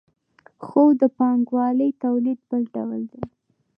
خو د پانګوالي تولید بل ډول دی.